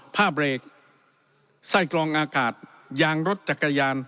ผ้าเบรกไส้กรองอากาศยางรถจักรยาน